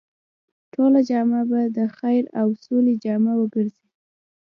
ټوله جامعه به د خير او سولې جامعه وګرځي.